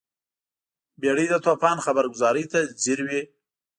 بیړۍ د توپان خبرګذارۍ ته ځیر وي.